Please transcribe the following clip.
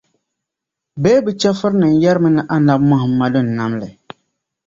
Bee bɛ chɛfurinim yεrimi ni Annabi Muhammadu n-nam li.